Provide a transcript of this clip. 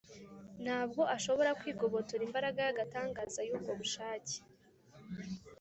ntabwo ashobora kwigobotora imbaraga y’agatangaza y’ubwo bushake